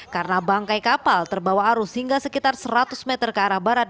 karena bangkai kapal terbawa arus hingga sekitar seratus meter ke arah barat